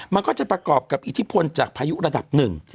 มันก็จะประกอบกับอิทธิพลจากพายุระดับหนึ่ง